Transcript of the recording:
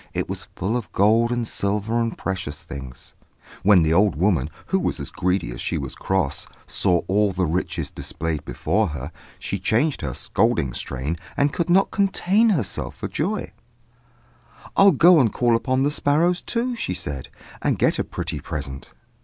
it was full of gold and silver and precious things. When the old woman, who was as greedy as she was cross, saw all the riches displayed before her, she changed her scolding strain, and could not contain herself for joy. [Illustration: THE TONGUE CUT SPARROW.] "I'll go and call upon the sparrows, too," said she, "and get a pretty present."